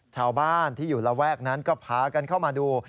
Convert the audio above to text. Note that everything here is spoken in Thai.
ชาวบ้านที่อยู่ระแวกนั้นก็พากันเข้ามาดู